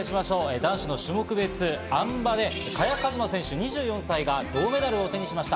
男子種目別あん馬で萱和磨選手、２４歳が銅メダルを手にしました。